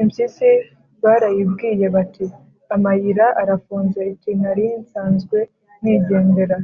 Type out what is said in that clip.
Impyisi barayibwiye bati amayira arafunze, iti: nari nsanzwe nigendera